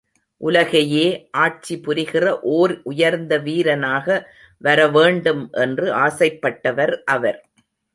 உலகையே ஆட்சி புரிகிற ஓர் உயர்ந்த வீரனாக வரவேண்டும் என்று ஆசைப்பட்டவர் அவர்.